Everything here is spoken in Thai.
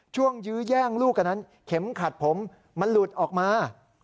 ยื้อแย่งลูกกันนั้นเข็มขัดผมมันหลุดออกมา